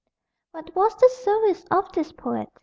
What was the service of this poet?